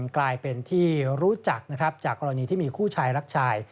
กลายเป็นที่รู้จักนะครับจากกรณีที่มีคู่ชายรักชาย